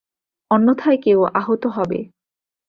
অন্যথায় কেউ আহত হবে।